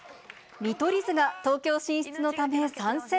見取り図が東京進出のため参戦。